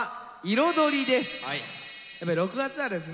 やっぱり６月はですね